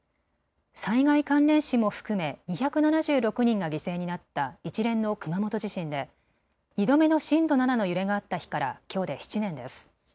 災害関連死も含め２７６人が犠牲になった一連の熊本地震で２度目の震度７の揺れがあった日からきょうで７年です。